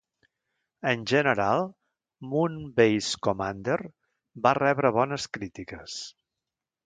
En general, Moonbase Commander va rebre bones crítiques.